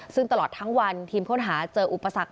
ซึ่งตลอดทั้งวันทีมค้นหาเจออุปสรรค